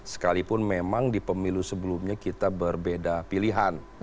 sekalipun memang di pemilu sebelumnya kita berbeda pilihan